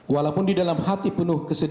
walaupun di dalam hati penuh kesedihan